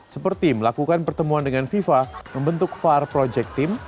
seperti melakukan pertemuan dengan fifa membentuk var project team